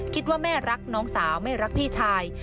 คิดว่าแม่รักน้องสาวไม่รักพี่ชาย